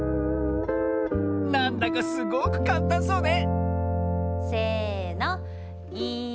なんだかすごくかんたんそうねせの。